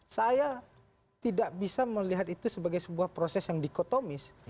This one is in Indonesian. saya tidak bisa melihat itu sebagai sebuah proses yang dikotomis